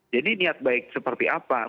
jadi niat baik seperti apa